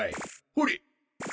ほれ！